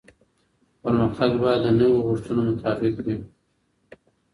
پرمختګ باید د نويو غوښتنو مطابق وي